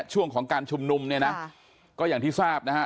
ช่วงของการชุมนุมเนี่ยนะก็อย่างที่ทราบนะฮะ